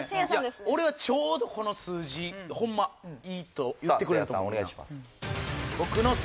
俺はちょうどこの数字ホンマいいと言ってくれると思うせいやさん